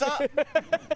ハハハハ！